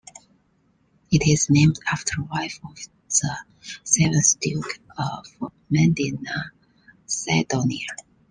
It is named after wife of the seventh Duke of Medina-Sidonia.